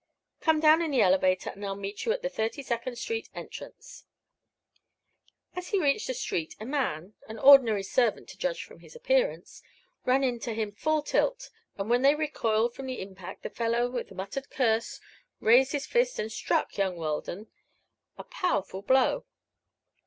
Come down in the elevator and I'll meet you at the Thirty second street entrance." As he reached the street a man an ordinary servant, to judge from his appearance ran into him full tilt, and when they recoiled from the impact the fellow with a muttered curse raised his fist and struck young Weldon a powerful blow.